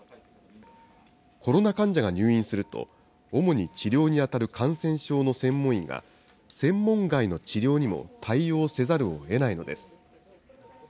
コロナ患者が入院すると、主に治療に当たる感染症の専門医が、専門外の治療にも対応せざるをえないのです。